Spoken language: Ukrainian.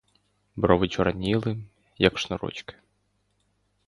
Брови чорніли, як шнурочки.